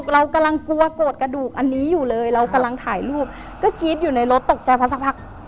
เรากำลังถ่ายรูปอยู่ในรถตกใจเพราะสักพัก